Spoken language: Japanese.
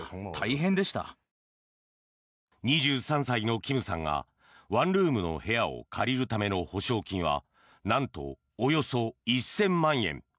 ２３歳のキムさんがワンルームの部屋を借りるための保証金はなんとおよそ１０００万円。